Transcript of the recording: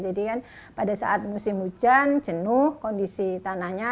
jadi kan pada saat musim hujan jenuh kondisi tanahnya